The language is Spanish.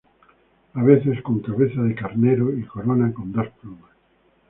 A veces con cabeza de carnero y corona con dos plumas.